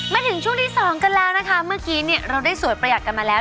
มาถึงช่วงที่สองกันแล้วนะคะเมื่อกี้เนี่ยเราได้สวยประหยัดกันมาแล้ว